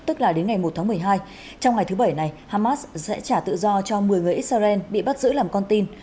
tức là đến ngày một tháng một mươi hai trong ngày thứ bảy này hamas sẽ trả tự do cho một mươi người israel bị bắt giữ làm con tin